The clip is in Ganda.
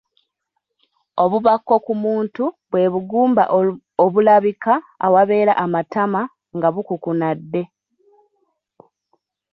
Obubakko ku muntu bwe bugumba obulabika awabeera amatama nga bukukunadde.